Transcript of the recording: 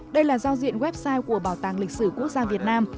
đây là giao diện website của bảo tàng lịch sử quốc gia việt nam